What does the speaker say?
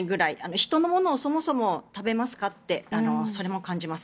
人のものをそもそも食べますかってそれも感じます。